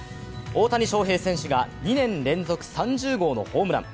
大谷翔平選手が２年連続３０号のホームラン。